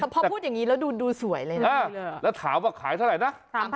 แต่พอพูดอย่างนี้แล้วดูสวยเลยนะแล้วถามว่าขายเท่าไหร่นะ